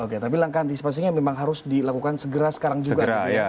oke tapi langkah antisipasinya memang harus dilakukan segera sekarang juga gitu ya